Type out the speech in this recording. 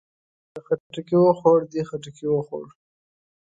ده خټکی وخوړ. دې خټکی وخوړ.